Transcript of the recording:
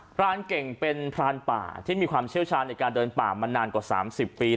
รานเก่งเป็นพรานป่าที่มีความเชี่ยวชาญในการเดินป่ามานานกว่า๓๐ปี